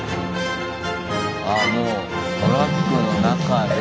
あもうトラックの中で。